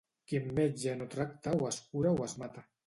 Qui amb metge no tracta o es cura o es mata.